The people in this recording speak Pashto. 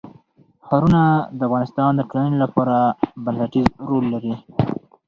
ښارونه د افغانستان د ټولنې لپاره بنسټيز رول لري.